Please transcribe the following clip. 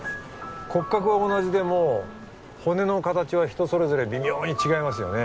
骨格は同じでも骨の形は人それぞれ微妙に違いますよね